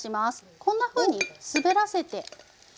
こんなふうにすべらせて。